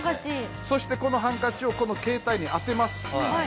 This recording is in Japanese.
そしてこのハンカチをこの携帯に当てます。